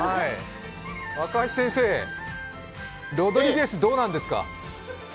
わかはち先生、ロドリゲス、どうなんですか？